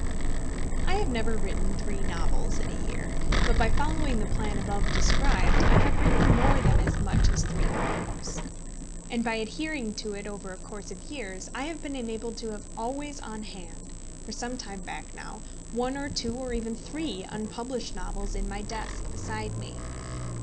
I have never written three novels in a year, but by following the plan above described I have written more than as much as three volumes; and by adhering to it over a course of years, I have been enabled to have always on hand, for some time back now, one or two or even three unpublished novels in my desk beside me.